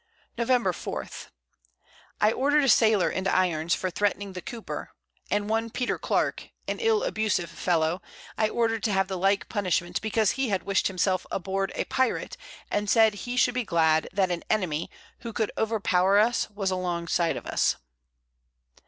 Nov. 4. I order'd a Sailor into Irons, for threatning the Cooper; and one Peter Clark, an ill abusive Fellow, I order'd to have the like Punishment, because he had wished himself aboard a Pirate, and said he should be glad that an Enemy, who could over power us, was a long side of us.